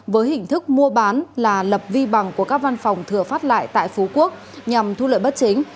với hình thức mua bán là lập vi bằng của các văn phòng thừa phát lại tại phú quốc nhằm thu lợi bất chính